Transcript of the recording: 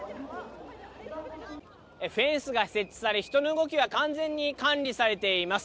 フェンスが設置され、人の動きが完全に管理されています。